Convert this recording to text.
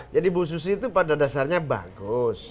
jadi ibu susi itu pada dasarnya bagus